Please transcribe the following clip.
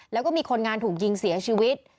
แล้วก็มีคนงานถูกยิงเสียชีวิต